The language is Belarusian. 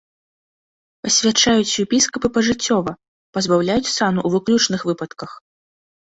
Пасвячаюць у епіскапы пажыццёва, пазбаўляюць сану ў выключных выпадках.